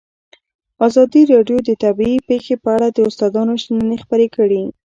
ازادي راډیو د طبیعي پېښې په اړه د استادانو شننې خپرې کړي.